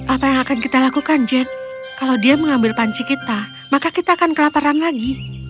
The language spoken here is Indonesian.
apa yang akan kita lakukan jane kalau dia mengambil panci kita maka kita akan kelaparan lagi